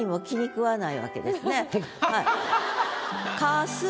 はい。